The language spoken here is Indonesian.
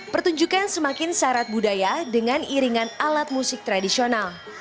pertunjukan semakin syarat budaya dengan iringan alat musik tradisional